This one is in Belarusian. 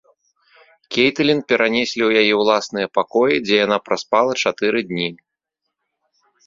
Кейтылін перанеслі ў яе ўласныя пакоі, дзе яна праспала чатыры дні.